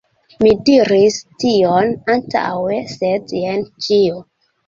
Mi diris tion antaŭe, sed jen ĉio.